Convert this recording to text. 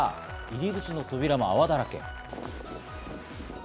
入り口の扉も泡だらけ。